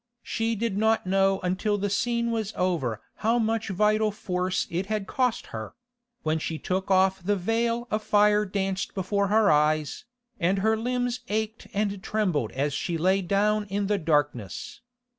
She did not know until the scene was over how much vital force it had cost her; when she took off the veil a fire danced before her eyes, and her limbs ached and trembled as she lay down in the darkness.